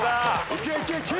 いけいけいけ！